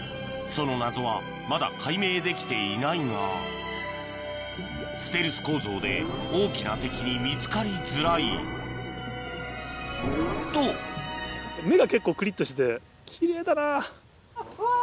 その謎はまだ解明できていないがステルス構造で大きな敵に見つかりづらいと目が結構クリっとしてて奇麗だな。